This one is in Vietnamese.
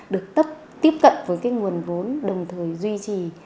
được tiếp cận với nguồn vốn đồng thời duy trì